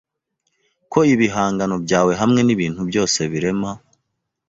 Ko ibihangano byawe hamwe nibintu byose birema